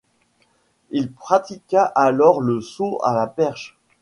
Il pratique alors le saut à la perche.